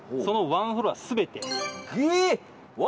ワンフロア全て！